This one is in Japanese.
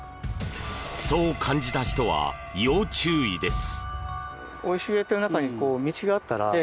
そう感じた人は要注意です。